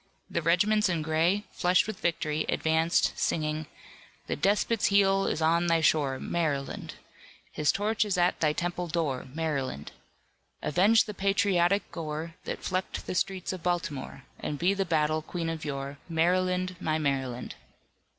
The regiments in gray, flushed with victory, advanced singing: "The despot's heel is on thy shore, Maryland! His torch is at thy temple door, Maryland! Avenge the patriotic gore That flecked the streets of Baltimore And be the battle queen of yore, Maryland, my Maryland!"